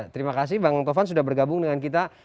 terima kasih bang tovan sudah bergabung dengan kita